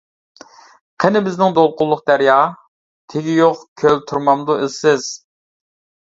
قېنى بىزنىڭ دولقۇنلۇق دەريا؟ تېگى يوق كۆل تۇرمامدۇ ئىزسىز.